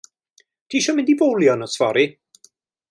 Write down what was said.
Tisio mynd i fowlio nos fory?